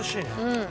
うん。